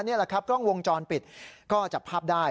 นี่แหละครับกล้องวงจรปิดก็จับภาพได้